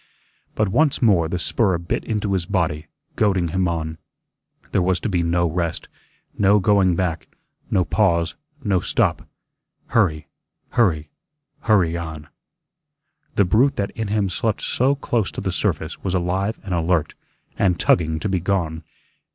But once more the spur bit into his body, goading him on. There was to be no rest, no going back, no pause, no stop. Hurry, hurry, hurry on. The brute that in him slept so close to the surface was alive and alert, and tugging to be gone.